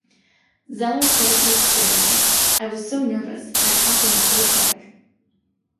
Zellar said of the experience: I was so nervous, and it happened so quick.